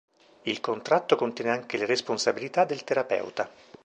Il contratto contiene anche le responsabilità del terapeuta.